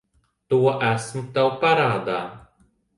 To esmu tev parādā.